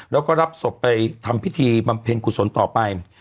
แล้วก็รับศพไปทำพิธีบำเพ็ญกุศลต่อไป